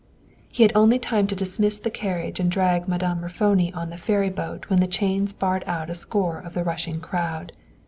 He had only time to dismiss the carriage and drag Madame Raffoni on the ferry boat when the chains barred out a score of the rushing crowd.